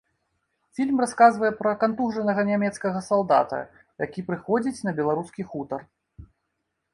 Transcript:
Фільм расказвае пра кантужанага нямецкага салдата, які прыходзіць на беларускі хутар.